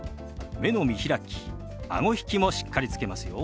目の見開きあご引きもしっかりつけますよ。